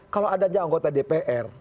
kalau adanya anggota dpr